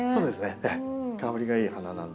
香りがいい花なんですけども。